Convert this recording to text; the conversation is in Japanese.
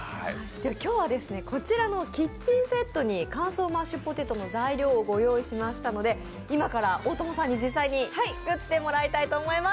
今日はこちらのキッチンセットに乾燥マッシュポテトの材料を用意しましたので今から大友さんに、実際に作ってもらいたいと思います。